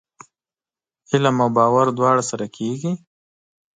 علم او باور دواړه سره کېږي ؟